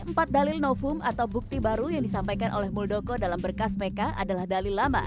empat dalil novum atau bukti baru yang disampaikan oleh muldoko dalam berkas pk adalah dalil lama